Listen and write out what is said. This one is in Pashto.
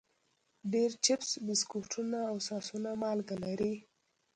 ډېری چپس، بسکټونه او ساسونه مالګه لري.